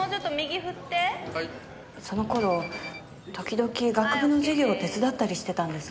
その頃時々学部の授業を手伝ったりしてたんですが。